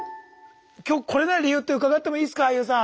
今日来れない理由って伺ってもいいすかＹＯＵさん。